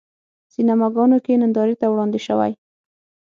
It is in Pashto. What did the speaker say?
سینماګانو کې نندارې ته وړاندې شوی.